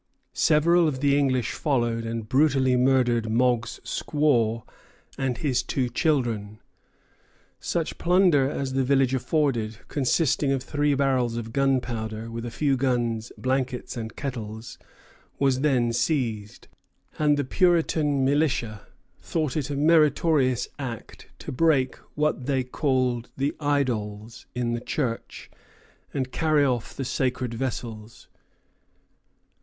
Several of the English followed, and brutally murdered Mogg's squaw and his two children. Such plunder as the village afforded, consisting of three barrels of gunpowder, with a few guns, blankets, and kettles, was then seized; and the Puritan militia thought it a meritorious act to break what they called the "idols" in the church, and carry off the sacred vessels.